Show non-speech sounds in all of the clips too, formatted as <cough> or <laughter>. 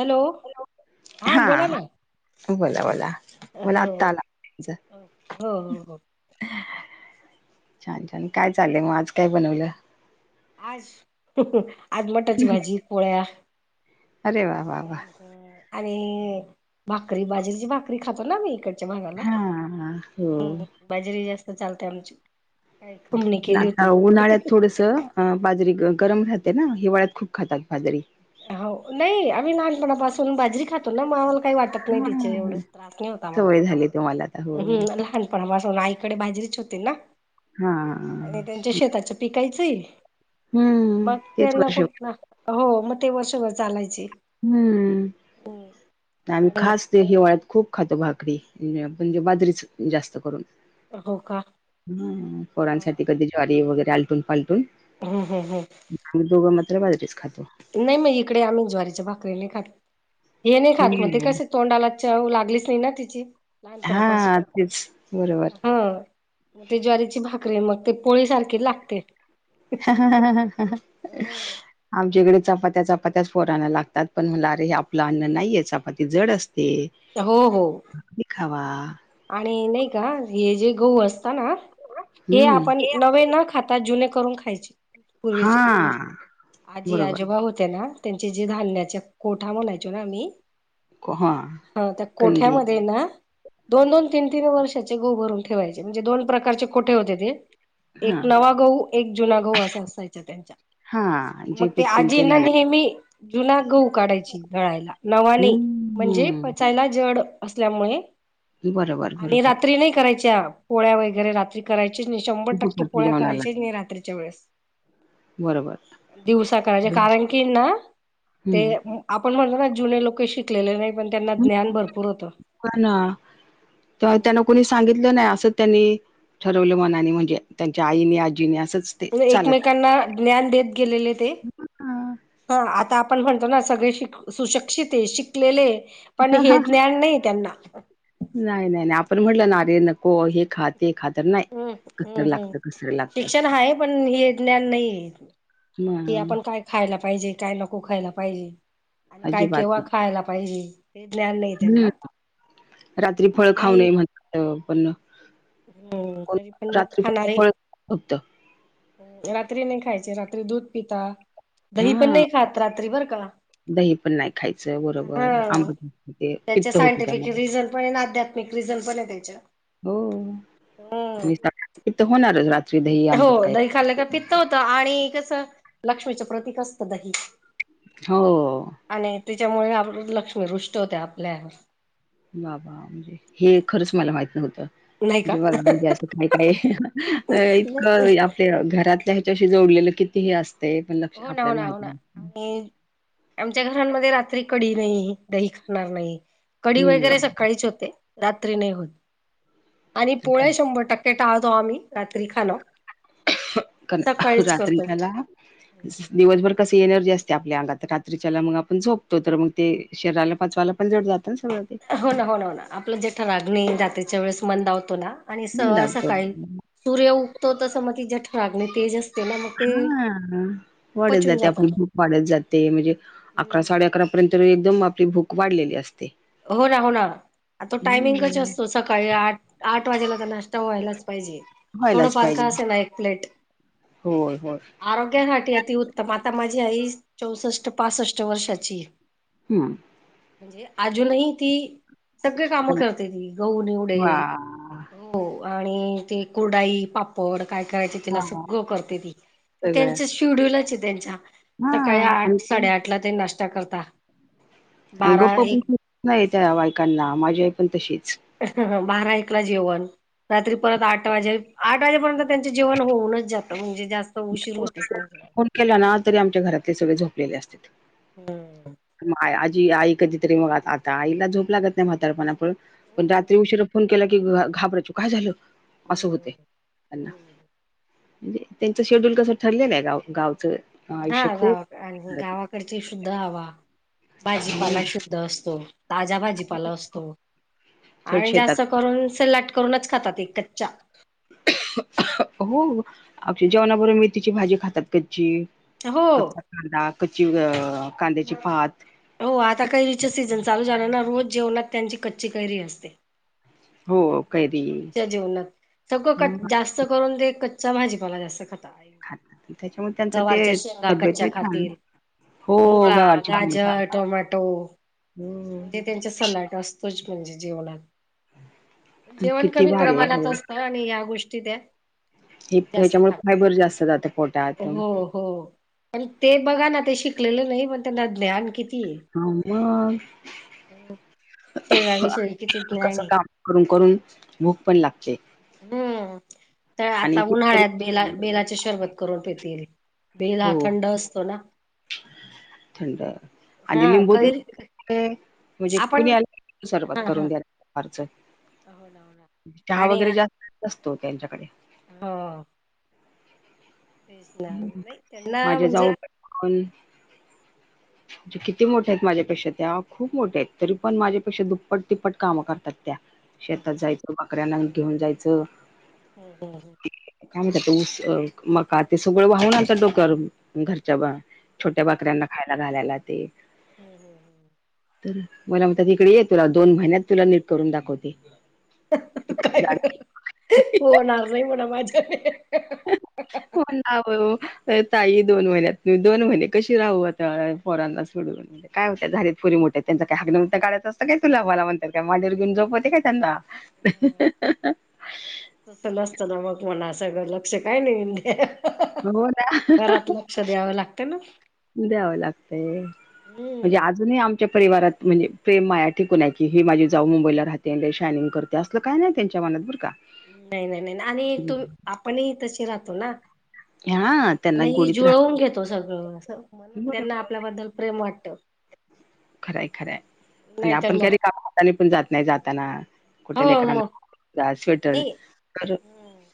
Hello! हा बोलान बोला, बोला, बोला आता आला हो हो हो <unintelligible> छान छान काय चालंय म? आज काय बनवलं? आज, हं हं आज मटाची भाजी पोळ्या आरे वा! वा, वा ह् आणि भाकरी बाजरीची भाकरी खातो ना आमी इकडं चमंगला हा हो बाजरी जास्त चालते आमची <unintelligible> आता उन्हाळ्यात थोडंस बाजरी गरम राहते ना? हिवाळ्यात खूप खातात बाजरी हावं नायी आम्ही लहानपनापासून बाजरी खातो ना म आम्हाला काही वा तट नाही तिच्या हा एवढं त्रास नायी होत आम्हाला सवय झाली तुम्हाला आता हो लहानपनापासून आईकडे बाजरीचं होतीना, हा आणि त्यांच्या शेताच्या विकायचंय? हम्म मग तेच त्यांना वर्ष कुठणं? हो, मग ते वर्षभर चालायचे हम्म आम्ही आणि खास ते हिवाळ्यात खूप खातो भाकरी, म्हणजे बाजरीचं जास्त करून हो का? हम्, हा. पोरांसाठी कधी ज्वारी वगैरे आलटून पालटून हम्, हं हं आम्ही दोघं मात्र बाजारीेचं खातो नायी म इकडे आम्ही ज्वारीच्या भाकरी नायी खात हे नायी खात म ते हम्म कस तोंडाला चव लागलीच नायी तिची हां, लहानपणापासून तेच बरोबर. हं मग ते ज्वारी ची भाकरी मग ते पोळी सारखीच लागते हं हं हं हो आमच्याकडे ते चपात्याचपा चपात्याच पोरांना लागतात, पण म्हणलं अरे, आपलं अन्न नाहीये चपाती जड असते हो हो भाकरी खावा आणि नायी का? हे जे गहू असत ना हे हं. आपण नवे न खाता जुने करून खायचे पूर्वीचे हां, आजी बरोबर. आजोबा होते ना? त्यांचे जे धान्याच्या कोठा म्हणायचो ना आम्ही को हां, हा त्या कणगी कोठ्यामध्ये ना? दोन, दोन, तीन, तीन, वर्षाचे गहू भरून ठेवायचे म्हणजे, दोन प्रकारचे कोठ्या होते ते, हां, एक नवा गहू, एक जुना गहू असं असायचं त्यांच्यात हां, जे मग ते पिकतील आजी ना नाही. नेहमी जुना गहू काढायची दळायला नवा नायी, म्हणजे हं, पचायला जड असल्यामुळे बरोबर आणि बरोबर. रात्री नायी करायच्या पोळ्या वगैरे रात्री करायचीच नायी, शंभर टक्के दुपारच्या पोळ्या जेवणाला. करायचीच नायी रात्रीच्या वेळेस बरोबर. दिवसा करायचे कारण की ना ते हं. आपण म्हणलो ना जुने लोकं शिकलेले नाही पण त्यांना ज्ञान भरपूर होतं. हो ना तेव्हा त्यांना कोणीच सांगितलं नाही असं त्यांनी ठरवलं मनाने म्हणजे त्यांच्या आईने आजीनी असंच ते चालत आलं. एकमेकांना ज्ञान देत गेलेले ते हां. हा आता आपण म्हणतो ना सगळे शिक सुशिक्षित हे शिकलेले पण हे ज्ञान नाही त्यांना नाही नाही नाही आपण म्हटलं ना अरे नको हे खात ते खातर नाही हम्म हम्म कसतरी हम्म लागतं कसंतरी लागतं. शिक्षण आहे पण की म आपण काय खायला पाहिजे काय नको खायला पाहिजे आणि काय अजिबात केव्हा खायला पाहिजे. हे ज्ञान नाही. हम्म त्यांना रात्री मग फळ खाऊ आई नये म्हणतं पण हम्म कोण तरी पण मग रात्री फक्त खाणार ये. फळ फक्त रात्री नाही खायचे रात्री दूध पिता दही पण हां नाही खात रात्री बरं का दही पण नाही खायचं बरोबर ब आंबट ते त्याच्या पित्त होते सायंटिफिक त्यामुळे रिझन पण ये आध्यात्मिक रिझन पण आहे त्याच्या हो हम्म आणि हित होणारच रा हो दही खाल्लं का पित्त होतं आणि कसं लक्ष्मीचं प्रतीक असतं दही हो. आणि तेच्यामुळे आरु लक्ष्मी रुष्ट होते आपल्या बाबा म्हणजे हे खरंच मला माहित नव्हतं. नाही का जेव्हा योग्य असं काय काय इतकं या ते घरातल्या ह्याच्याशी जोडलेलं कितीही असतयं पण लक्ष हो ना हो आपल्याला ना हो माहिती ना नाही आणि आमच्या घरांमध्ये रात्री कडी नाही दही खाणार नाही कडी हम्म. वगैरे सकाळीच होते. रात्री नाही होत आणि पोळ्या शंभर टक्के टाळतो आम्ही रात्री खाणं. कल सकाळीच रात्री करतो काला. दिवसभर कसं एनर्जी असते आपल्या आंगात रात्रीच्याला मग आपण झोपतो तर मग ते शरीराला पचवायला पण जड जातं सगळं ते हो ना हो ना हो ना आपलं जेठरागणी रात्रीच्या वेळेस मंदावतो ना आणि स मंदावतो सकाळी सूर्य उगतो तसं मग ती जटरागणे तेजस हा वाढत पचून जाते जातं. आपली भुक वाढत जाते म्हणजे अकरा हम्म. साडे अकरा पर्यंत एकदम आपली भूक वाढलेली असते. हो ना हो ना आ तो टायमिंग कस हम्म असतो सकाळी आठ आठ वाजायला का नाष्टा व्हायलाच पाहिजे. व्हायलाच थोडाफार का पाहिजे असेना एक प्लेट, होय होय आरोग्यासाठी अति उ तम आता माझी आई चौसष्ट पासष्ट वर्षाची ये. हम्म म्हणजे अजूनही ती सगळे कामं करते ती गहू निवडे वाह! हो आणि ती कुरडाई पापड काय काय आहे ते तिला वाह! सगळं करते ती म सगळ्या त्यांचं शेड्युलच आहे त्यांच्या हा सकाळी आणि आठ ते साडेआठ ला ते नाश्ता करता आणि गप्प बारा एक पण नाही त्या बायकांना माझी आई पण तशीच हं हं बारा एक ला जेवण. रात्री परत आठ वाजे, आठ वाजेपर्यंत त्यांचे जेवण होऊनच जातं म्हणजे जास्त उशीर होतच नाही. केल ना तरी आमच्या घरातले सगळे झोपलेले असतेत. हम्म म आजी आई कधीतरी मग आ आता आईला झोप लागत नाही म्हातारपणा पु पण रात्री उशीरा फोन केला की, घाबरायचं काय झालं असं होतय, त्यांना हम्म. म्हणजे त्यांच शेड्युल कस ठरलेल आहे गाव गावचं, आयुष्य खूप तिकडची शुद्ध हवा, हो भाजीपाला ना. शुद्ध असतो ताज्या भाजीपाला असतो, थेट आणि शेतात जास्त करून सलाड करूनच खातात ते कच्च्या. हो, आपली जेवणाबरोबर मेथीची भाजी खातात कच्ची हो कच्चा कांदा, कच्ची कांद्याची पात हो आता कैरीचे सीझन चालू झाल ना, रोज जेवणात त्यांची कच्ची कैरी असते. हो, कैरी रोजच्या जेवनात सगळं म्हणून कच जास्त करून ते कच्च्या भाजीपाला जास्त खातात. खातात त्याच्यामुळे त्यांचं गवारच्या ते शेंगा कच्च्या तब्येत छान खातील हो मुळा, गवारची पोळी गाजर, टोमॅटो म्हणजे हो त्यांच्या सलाड असतोच म्हणजे जेवणात, जेवण किती कमी भारी आहे प्रमाणात खरं असत हो आणि या गोष्टी त्या हे जास्त ह्याच्यामुळ खात फायबर जास्त जातात पोटात. हो हो, पण ते बघा ना ते शिकलेलं नाही पण त्यांना ज्ञान किती ये. हा मंग. शरीरा विषयी किती ज्ञान कसं आहे. काम करून करून, भूक पण लागते. हम्म, तर आणि आता उन्हाळ्यात बेला कुठतरी बेलाचे शरबत करून पेतील. बेल हा हो थंड असतो ना, थंड. आणि हा लिंबू तून कैरी <inaudible> म्हणजे कुणी आपण आल की लिंबू सरबत हा हा करून दया. दुपारचं, हो ना हो ना चहा आणि वगैरे जास्त नसतो त्यांच्याकडे. हो तेच ना, नाही त्यांना म्हणजे कोण? म्हणजे किती मोठ्या आहेत माझ्यापेक्षा त्या खूप मोठ्या आहेत, तरी पण माझ्यापेक्षा दुप्पट-तिप्पट काम करतात त्या. शेतात हम्म जायच, बकऱ्यांना घेऊन जायच. हं हं हं काय म्हणतात तो ऊस, मका ते सगळं वाहून आणतात डोक्यावर घरच्या छोट्या बकऱ्यांना खायला घालायला ते हम्म हम्म हम्म मला म्हणतात, इकडे ये तुला दोन महिन्यात तुला नीट करून दाखवते. तू काय झाड होणार नाही, होणार नाही म्हणाव माझ्याने. हो ना ओय ओ ताई दोन महिन्यात मी, दोन महिने कशी राहू आता पोरांना सोडून म्हणजे काय होत्यात झालेत पुरी मोठ्या त्यांच काय हगनमुतन काढाचं असतं काय तुला, मला म्हणतात, काय मांडीवर घेऊन झोपती काय त्यांना? तस नसत ना मग, म्हणा सगळं लक्ष काय नाही. हो ना. स द्यावं लागतं ना. द्याव लागतय, म्हणजे हम्म अजूनही आम च्या परिवारात म्हणजे प्रेम माया टीकून आहे की ही माझी जाऊ मुंबईला राहते आणि लय शयनिंग कर ते आसल काय नाही त्यांच्या मनात बर का. नाही नाही नाही नाही आणि तुम आपणही तसे राहतो ना. हा त्यांना नही गोडीत जुळवून घेतो सगळं असं म्हणून राहत त्यांना आपल्याबद्दल प्रेम वाटतं. खरं हाय, खरं हाय, आणि नाहीतर आपण मग काय रिकाम्या हाताने पण जात नाही जाताना. कुठ हो मग लेकरांना घेऊन जा स्वेटर नाही तर हम्म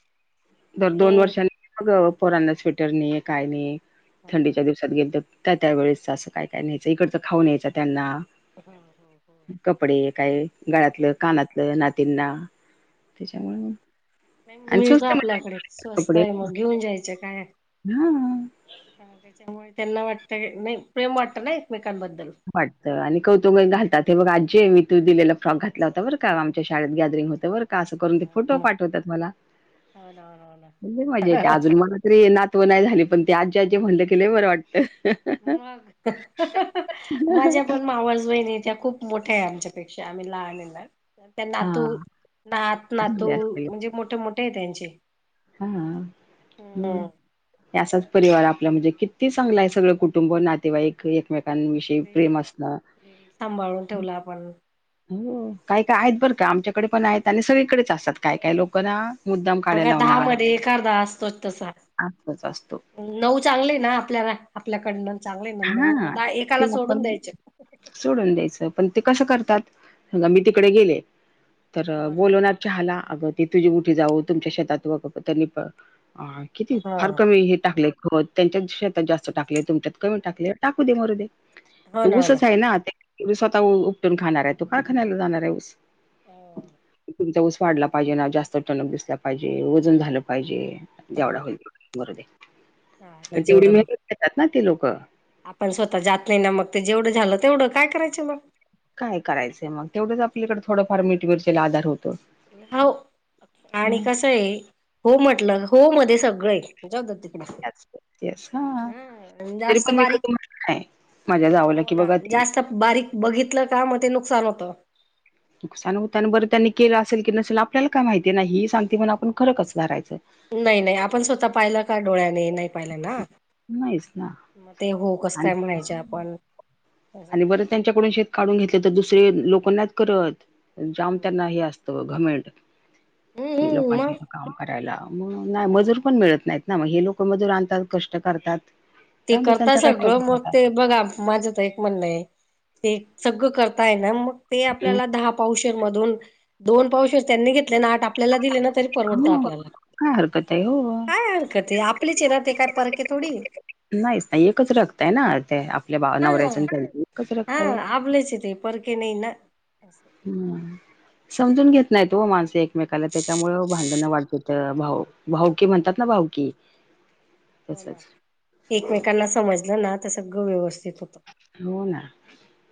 दर दोन नाही वर्षांनी मग पोरांना स्वेटर नई, काय नई, हा थंडीच्या दिवस गेलातर काय त्या वेळेस असं काय- काय न्यायचं इकडचं खाऊ न्यायचं त्यांना हम हम हम. कपडे काय गळ्यातलं, कानातलं, नातींना त्याच्यामुळे आणि मिळतं स्वस्त आपल्याकडे मिळायचे स्वस्त कपडे आहे मग घेऊन जायचं काय. हा हा त्याच्यामुळे त्यांना वाटत नाही प्रेम वाटत ना एकमेकांबद्दल. वाटतं, आणि कौतुकाने घातात हे बघ आज्जे मी तू दिलेला फ्रॉक घातला होता बरं का आमच्या शाळेत गॅदरिंग होत बरं का असं करून ते हो फोटो पाठवतात मला, ना हो ना हो ना म्हणजे मजा येते अजून म. ते नातवं नाही झाली पण ते आज्जे आज्जे म्हटलं की लय बर वाटत. मग माझ्या पण मावस बहिणीच्या खूप मोठ्या आहे आमच्यापेक्षा, आम्ही लहान आहे ना. त्या नातू हां नात, नातू चांगले म्हणजे मोठे- मोठे आहे त्यांचे. हा, हम्म हम्. हे असाच परिवार आपला म्हणजे किती चांगला आहे सगळं कुटुंब, नातेवाईक एकमेकांविषय ते प्रेम आसन प्रेम सांभाळून ठेवला आपण हो काय- काय आहेत बरं का, आमच्याकडे पण आहेत, आणि सगळीकडेच असतात, काय- काय लोक ना मुद्दाम काड्या लावणार म एखादा असतोच तसा, असंच असतो. नऊ चांगलं आहे ना आपल्याला आपल्याकडनं चांगलंय ना नऊ हां, म एकाला ते सोडून आपण द्यायचे. सोडून द्यायचं, पण ते कसं करतात बघा मी तिकडे गेले तर हो ना बोलवणार चहाला आगं ती तुझी मोठी जाऊ तुमच्या शेतात किती फार हा कमी हे टाकलेय खत, त्यांच्यात शेतात जास्त टाकलय, तुमच्यात कमी टाकले, टाकू दे मरू दे. हो ते ना हो ऊसच आहे ना ते मी स्वतः उपटून खाणार आहे तू काय खायला जाणार आहे ऊस? हो. तुमचा ऊस वाढला पाहिजे ना, जास्त टन अप दिसला पाहिजे, वजन झालं पाहिजे, हो जेवढा होईल मरुदे, ना पण तेवढी जेवढं मेहनत घेतात ना ती लोक. आपण स्वतः जात नाही ना मग ते जेवढं झालं तेवढं काय करायचं मग. काय करायचंय मग, तेवढंच आपल्याकडे थोडंफार मिठ मिरचेला आधार होतो. हाव, आणि कस ये हो म्हटलं हो मध्ये सगळं ये, जाऊद्या तिकड, येस हा ह. तरी पण मी कधी म्हणत नाही माझ्या जावाला हो की ना, बघा ते जास्त बारीक बघितलं का मग ते नुकसान होतं. नुकसान होत आणि बरं त्यांनी केलं असेल की नसेल आपल्याला काय माहिती ना ही सांगते म्हण आपण खरं कस धरायचं? नाही नाही आपण स्वत पाहिलं का डोळ्याने नाही पाहिलं ना, नाहीच ना मग ते हो कस काय म्हणायच आपण. हम्म बर त्यांच्याकडून शेत काढून घेतले तर दुसरे लोक नाय करत जाम त्यांना हे असत. तव घमेंड कि हम्म लोकांच्या मग इथं काम करायला, मग नाही मजूर पण मिळत नाहीत ना, मग हे लोक मजूर आणतात कष्ट करतात. ते जाऊदे करता त्यांच्या सगळं कष्टाचं मग खातात ते बघा माझं ते म्हण आहे, ते सगळ करताय ना मग ते हं, आपल्याला दहा पावशेर मधून दोन पावशेर त्यांनी घेतले अन आठ आपल्याला दिले ना तरी परवडत हो आपल्याला, काय हरकत आहे हो काय हरकत आहे? आपलेच आहे ना ते काय परके थोडी ये. नाहीच ना एकच रक्त आहे ना ते आपल्या बा हा नवऱ्याच आणि त्याचं एकच हा रक्त आहे. आपलेच आहे ते. परके नाही ना. असं हम्म समजून घेत नाहीत व माणस एकमेकाला त्याच्यामूळ भांडणं वाढतेत. त भाऊ भाऊकी म्हणतात ना भाऊकी. हो ना, तसच एकमेकांना समजलं ना त सगळं व्यवस्थित होतं हो ना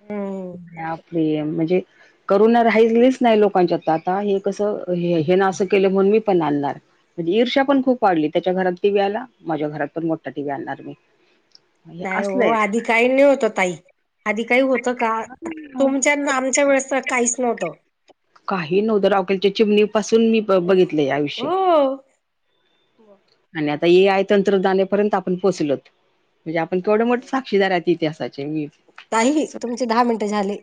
हम्म आपले म्हणजे करुना राहिलीच नाही लोकांच्यात आता हे कसं हे ना असं केलं म्हणून मी पण आणणार. म्हणजे इर्षा पण खूप वाढली, त्याच्या घरात टी वी आला माझ्या घरात पण मोठा टी वी आणणार मी. हे नाही हो असलंयच आधी काही नाही होत ताई आधी काही हो त का? तुमच्या अन आमच्या वेळेस तर काहीच नव्हतं. काही नव्ह द रॉकेलच्या चिमणी पासून मी बघितलंय आयुष्य. हो हो आणि आता ए आय तंत्रज्ञानापर्यंत आपण पोचलोत. म्हणजे आपण केवढे मोठे साक्षीदार आहेत इतिहासाचे. ताई झाले, तुमचे दहा मिनटं झाले.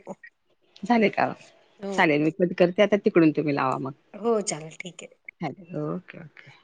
झाले का हो. चालेल मी कट करते आता तिकडून तुम्ही लावा मग. हो चालेल ठीक आहे. Hello okay okay